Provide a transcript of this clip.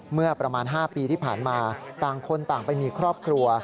เมื่อประมาณ๕ปีที่ผ่านมาต่างคนต่างไปมีครอบครัว